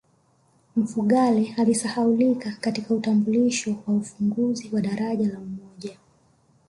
mfugale alisahaulika katika utambulisho wa ufunguzi wa daraja la umoja